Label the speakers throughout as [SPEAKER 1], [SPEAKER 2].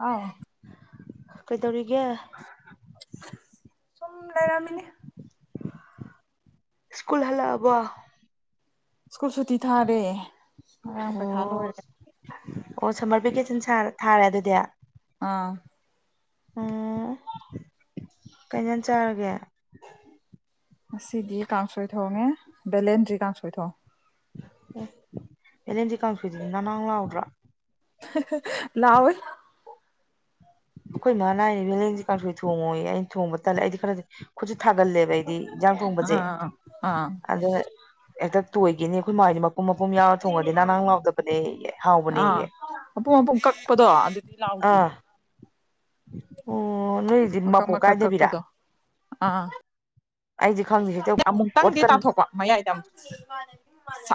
[SPEAKER 1] ꯍꯣꯏ
[SPEAKER 2] ꯇꯧꯔꯤꯒꯦ
[SPEAKER 1] ꯁꯨꯝ ꯂꯩꯔꯝꯃꯤꯅꯦ
[SPEAKER 2] ꯁ꯭ꯀꯨꯜ ꯍꯥꯜꯂꯛ ꯑꯕꯣ
[SPEAKER 1] ꯁ꯭ꯀꯨꯜ ꯁꯨꯇꯤ ꯊꯥꯔꯦ ꯉꯔꯥꯡ ꯄꯩꯈꯥ
[SPEAKER 2] ꯑꯣ
[SPEAKER 1] ꯂꯣꯏꯔꯦ
[SPEAKER 2] ꯑꯣ ꯁꯝꯃꯔ ꯚꯦꯀꯦꯁꯟ ꯊꯥꯔꯦ ꯑꯗꯨꯗꯤ
[SPEAKER 1] ꯑꯥ
[SPEAKER 2] ꯎꯝ ꯀꯩ ꯏꯟꯁꯥꯡ ꯆꯥꯔꯒꯦ
[SPEAKER 1] ꯉꯁꯤꯗꯤ ꯀꯥꯡꯁꯣꯏ ꯊꯣꯡꯉꯦ ꯕꯦꯂꯦꯟꯗ꯭ꯔꯤ ꯀꯥꯡꯁꯣꯏ ꯊꯣꯡ
[SPEAKER 2] ꯑꯦ ꯚ‌ꯦꯂꯦꯟꯗꯤ ꯀꯥꯡꯁ‌ꯣꯏꯗꯨꯗꯤ ꯅꯥꯡ ꯅꯥꯡ ꯂꯥꯎꯗ꯭ꯔꯥ
[SPEAKER 1] ꯂꯥꯎꯑ‌ꯦ
[SPEAKER 2] ꯑꯩꯈꯣꯏ ꯏꯃꯥꯅ ꯍꯥꯏꯔꯤ ꯚ‌ꯦꯂꯦꯟꯗ꯭ꯔꯤ ꯀꯥꯡꯁꯨꯣꯏ ꯊꯣꯡꯉꯣꯏ ꯑꯩꯅ ꯊꯣꯡꯕ ꯇꯜꯂꯦ ꯑꯩꯗꯤ ꯈꯔꯗꯤ ꯈꯨꯖꯤ ꯊꯥꯒꯜꯂꯦꯕ ꯑꯩꯗꯤ ꯏꯟꯖꯥꯡ ꯊꯣꯡꯕꯁꯦ
[SPEAKER 1] ꯑꯥ ꯑꯥ
[SPEAKER 2] ꯑꯗꯨ ꯍꯦꯛꯇ ꯇꯣꯏꯈꯤꯅꯤ ꯑꯩꯈꯣꯏ ꯃꯥꯏꯅꯤ ꯄꯨꯝ ꯃꯄꯨꯝ ꯌꯥꯎꯔ ꯊꯣꯡꯉꯗꯤ ꯅꯥꯡ ꯅꯥꯡ ꯂꯥꯎꯗꯕꯅꯦ
[SPEAKER 1] ꯑꯥ
[SPEAKER 2] ꯍꯥꯎꯕꯅꯦꯑꯦ
[SPEAKER 1] ꯃꯄꯨꯝ ꯃꯄꯨꯝ ꯀꯛꯄꯗꯣ ꯑꯗꯨꯗꯤ
[SPEAKER 2] ꯑꯥ
[SPEAKER 1] ꯂꯥꯛꯎꯗꯤꯌꯦ
[SPEAKER 2] ꯑꯣ ꯅꯣꯏꯗꯤ
[SPEAKER 1] ꯃꯀꯛ
[SPEAKER 2] ꯃꯄꯣꯛ
[SPEAKER 1] ꯃꯀꯛ
[SPEAKER 2] ꯀꯥꯏꯗꯕꯤꯔꯥ
[SPEAKER 1] ꯀꯛꯄꯗꯣ ꯑꯥ ꯑꯥ
[SPEAKER 2] ꯑꯩꯗꯤ ꯈꯪꯗꯦ ꯍꯦꯛꯇ
[SPEAKER 1] ꯑꯃꯨꯛꯇꯪꯗꯤ
[SPEAKER 2] ꯑꯣꯠꯀꯟ
[SPEAKER 1] ꯇꯥꯊꯣꯛꯄ ꯃꯌꯥꯏꯗ ꯑꯃꯨꯛ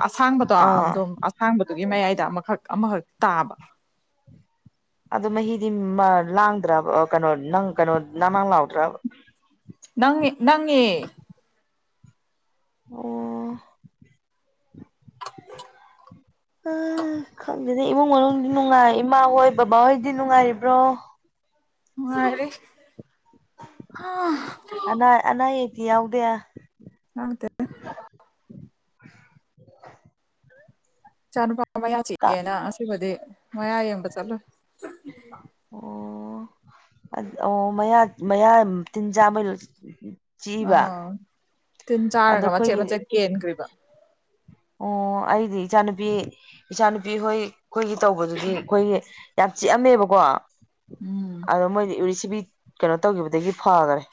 [SPEAKER 1] ꯑꯁꯥꯡꯕꯗꯣ
[SPEAKER 2] ꯑꯥ
[SPEAKER 1] ꯑꯗꯨꯝ ꯑꯁꯥꯡꯕꯗ‌ꯣ ꯒꯤ ꯃꯌꯥꯏꯗ ꯑꯃꯈꯛ ꯑꯃꯈꯛ ꯇꯥꯕ
[SPEAKER 2] ꯑꯗ‌ꯣ ꯃꯍꯤꯗꯤ ꯂꯥꯡꯗ꯭ꯔꯕ ꯀꯩꯅꯣ ꯅꯪ ꯀꯩꯅꯣ ꯅꯪ ꯅꯪ ꯂꯥꯎꯗ꯭ꯔꯕ
[SPEAKER 1] ꯅꯪꯉ‌ꯦ ꯅꯪꯉꯦ
[SPEAKER 2] ꯑꯣ ꯎ ꯈꯪꯗꯦꯗꯦ ꯏꯃꯨꯡ ꯃꯅꯨꯡꯗꯤ ꯅꯨꯡꯉꯥꯏ ꯏꯃꯥ ꯍꯣꯏ ꯕꯕꯥꯍꯣꯏꯗꯤ ꯅꯨꯡꯉꯥꯏꯔꯤꯕ꯭ꯔꯣ
[SPEAKER 1] ꯅꯨꯉꯥꯏꯔꯤ
[SPEAKER 2] ꯑꯅꯥ ꯑꯅꯥ ꯑꯌꯦꯛꯇꯤ ꯌꯥꯎꯗꯦ
[SPEAKER 1] ꯌꯥꯎꯗꯦ ꯆꯆꯥ ꯅꯨꯨꯄꯥ ꯃꯌꯥ
[SPEAKER 2] ꯀ
[SPEAKER 1] ꯆꯤꯛꯑꯦꯅ ꯑꯁꯤꯕꯨꯗꯤ ꯃꯌꯥ ꯌꯦꯡꯕ ꯆꯠꯂꯣꯏ
[SPEAKER 2] ꯑꯣ ꯑ ꯑꯣ ꯃꯌꯥ ꯃꯌꯥ ꯇꯤꯟꯖꯥꯃ
[SPEAKER 1] ꯑꯥ ꯇꯤꯟ
[SPEAKER 2] ꯑꯗꯣ
[SPEAKER 1] ꯆꯥꯔꯒ ꯃꯆꯦꯠ
[SPEAKER 2] ꯑꯩꯈꯣꯏꯒꯤ
[SPEAKER 1] ꯃꯆꯦꯠ ꯀꯦꯟꯈ꯭ꯔꯤꯕ
[SPEAKER 2] ꯑꯣ ꯑꯩꯗꯤ ꯏꯆꯥꯅꯨꯄꯤ ꯏꯆꯥꯅꯨꯄꯤ ꯍꯣꯏ ꯑꯩꯈꯣꯏꯒꯤ ꯇꯧꯕꯗꯨꯗꯤ ꯑꯩꯈꯣꯏꯒꯤ ꯌꯥꯝ ꯆꯤꯛꯑꯝꯃꯦꯕꯀꯣ
[SPEAKER 1] ꯎꯝ
[SPEAKER 2] ꯑꯗꯣ ꯃꯣꯏꯗꯤ ꯎꯔꯤꯁꯤ ꯁꯤꯕꯤ ꯀꯩꯅꯣ ꯇꯧꯈꯤꯕꯗꯒꯤ ꯐꯈꯔꯦ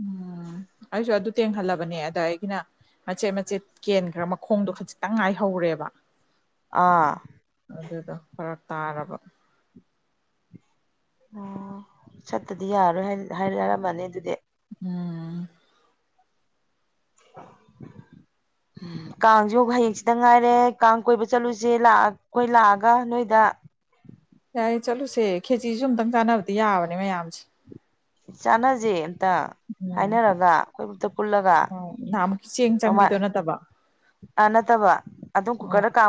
[SPEAKER 1] ꯎꯝ ꯑꯁꯨ ꯑꯗꯨ ꯇꯦꯡꯡ ꯍꯂ ꯅꯦ ꯑꯗ ꯑꯩꯒꯤꯅ ꯃꯆꯦꯠ ꯃꯆꯦꯠ ꯀꯦꯟꯈ꯭ꯔ ꯃꯈꯣꯡꯗꯣ ꯈꯖꯤꯛꯇꯪ ꯉꯥꯏꯍꯧꯔꯦꯕ
[SPEAKER 2] ꯑꯥ
[SPEAKER 1] ꯑꯗꯨꯗꯣ ꯐꯔ ꯇꯥꯔꯕ
[SPEAKER 2] ꯑꯣ ꯆꯠꯇꯗꯤ ꯌꯥꯔꯣꯏ ꯍꯥꯏꯔꯝꯃꯅꯤ ꯑꯗꯨꯗꯤ
[SPEAKER 1] ꯎꯝ
[SPEAKER 2] [inaudible] ꯀꯥꯡꯁꯨ ꯍꯌꯦꯡꯁꯤꯗ ꯉꯥꯏꯔꯦ ꯀꯥꯡ ꯀꯣꯏꯕ ꯆꯠꯂꯨꯁꯦ ꯑꯩꯈꯣꯏ ꯂꯥꯛꯑꯒ ꯅꯣꯏꯗ ꯎꯝ
[SPEAKER 1] ꯌꯥꯏ ꯆꯠꯂꯨꯁꯦ ꯈꯦꯆꯤꯁꯨ ꯑꯝꯇꯪ ꯆꯥꯟꯅꯕꯗꯤ ꯌꯥꯕꯅꯦ ꯃꯌꯥꯝꯁꯦ
[SPEAKER 2] ꯆꯥꯟꯅꯁꯦ ꯑꯝꯇ ꯍꯥꯏꯅꯔꯒ ꯑꯩꯈꯣꯏ ꯄꯨꯜꯂꯒ
[SPEAKER 1] ꯑꯣ ꯅꯍꯃꯨꯛꯀꯤ ꯆꯦꯡ ꯆꯪꯕꯤꯗꯣ ꯅꯠꯇꯕ
[SPEAKER 2] ꯑꯥ ꯅꯠꯇꯕ ꯑꯗꯨꯝ
[SPEAKER 1] ꯑꯣ
[SPEAKER 2] ꯀꯨꯀꯔꯗ ꯀꯥ